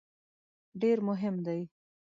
ډېر مهم دی.